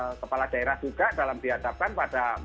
di satu sisi kepala daerah juga dalam dihadapkan pada mobil kada juga